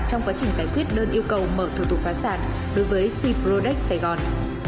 trong quá trình giải quyết đơn yêu cầu mở thủ tục phá sản đối với c products sài gòn